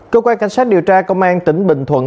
cơ quan cảnh sát điều tra công an tỉnh bình thuận